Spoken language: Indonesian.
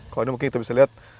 kalau ini mungkin bisa dilihat